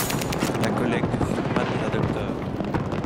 La collègue de Fuhrmann, la Dr.